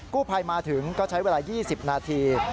ภัยมาถึงก็ใช้เวลา๒๐นาที